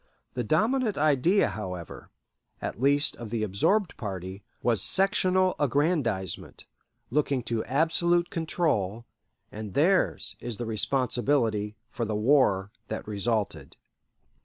The dominant idea, however, at least of the absorbed party, was sectional aggrandizement, looking to absolute control, and theirs is the responsibility for the war that resulted.